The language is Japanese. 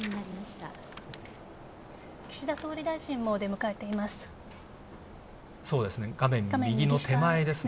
岸田総理大臣も出迎えています。